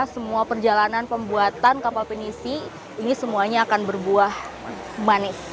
semua perjalanan pembuatan kapal penisi ini semuanya akan berbuah manis